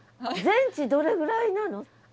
全治どれぐらいなの？